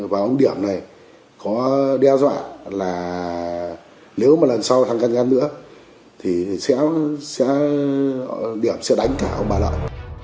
và ông điểm này có đe dọa là nếu mà lần sau sang căn ngăn nữa thì sẽ điểm sẽ đánh cả ông bà lợi